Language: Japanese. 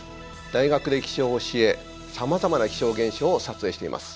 大学で気象を教えさまざまな気象現象を撮影しています。